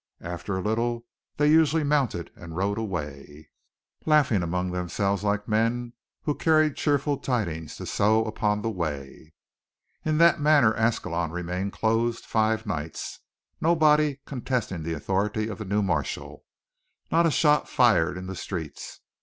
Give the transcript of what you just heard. After a little they usually mounted and rode away, laughing among themselves like men who carried cheerful tidings to sow upon the way. In that manner Ascalon remained closed five nights, nobody contesting the authority of the new marshal, not a shot fired in the streets.